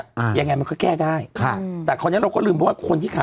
อ่ายังไงมันก็แก้ได้ค่ะแต่คราวเนี้ยเราก็ลืมเพราะว่าคนที่ขาย